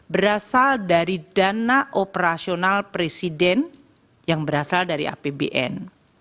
berasal dari dana operasional presiden yang berasal dari apbn